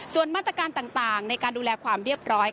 ส่วนมาตรการต่างในการดูแลความเรียบร้อย